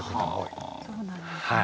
そうなんですね。